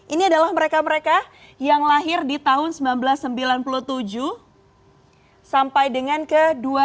ini adalah mereka mereka yang lahir di tahun seribu sembilan ratus sembilan puluh tujuh sampai dengan ke dua